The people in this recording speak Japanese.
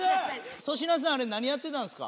粗品さんあれ何やってたんすか？